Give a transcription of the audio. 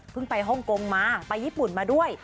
ไปฮ่องกงมาไปญี่ปุ่นมาด้วย